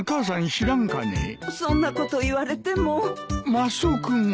マスオ君は？